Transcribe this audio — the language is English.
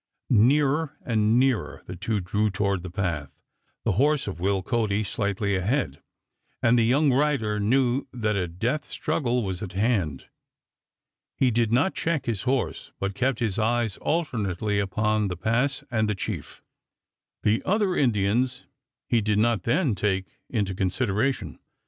Nearer and nearer the two drew toward the path, the horse of Will Cody slightly ahead, and the young rider knew that a death struggle was at hand. He did not check his horse, but kept his eyes alternately upon the pass and the chief. The other Indians he did not then take into consideration.